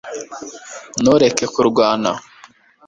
ntureke kurwana